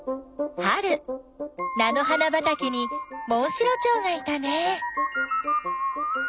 春なの花ばたけにモンシロチョウがいたね。